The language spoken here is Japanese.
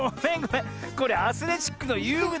これアスレチックのゆうぐだったわ。